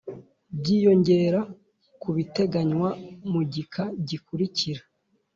byiyongera ku biteganywa mu gika gikurikira